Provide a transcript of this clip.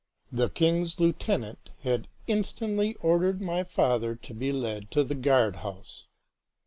The king's lieutenant had instantly ordered my father to be led to the guard house.